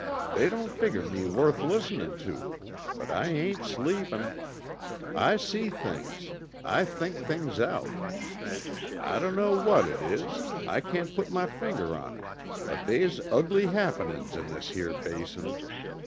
They don't figger me worth listenin' to, but I ain't sleepin'. I see things, I think things out. I dunno what it is, I can't put my finger on't, but they's ugly happenin's in this here Basin.